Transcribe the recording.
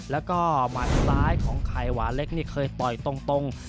แล้วก็หมัดซ้ายของไข่หวานเล็กนี่เคยต่อยตรง